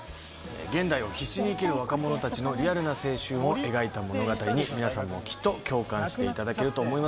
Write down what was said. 現代を必死に生きる若者たちのリアルな青春を描いた物語に皆さんもきっと共感していただけると思います。